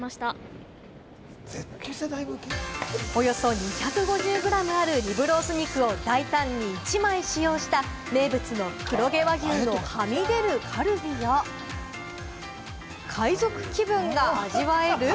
およそ２５０グラムあるリブロース肉を大胆に１枚使用した名物の黒毛和牛のはみ出るカルビや、海賊気分が味わえる？